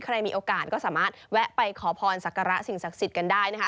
ใครมีโอกาสก็สามารถแวะไปขอพรศักระสิ่งศักดิ์สิทธิ์กันได้นะคะ